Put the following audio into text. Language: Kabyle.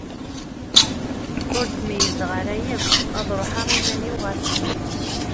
Ur d-meyyzeɣ ara yakk ad ruḥeɣ i iman-iw ɣer din.